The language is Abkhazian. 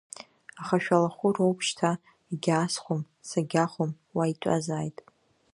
Ахашәалахәы роуп шьҭа, егьаасхәом, сагьахом, уа итәазааит.